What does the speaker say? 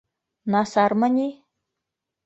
Насармы ни?!